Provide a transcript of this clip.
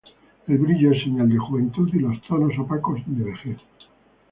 El brillo es señal de juventud y los tonos opacos de vejez.